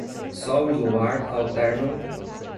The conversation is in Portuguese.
Sol e luar alternam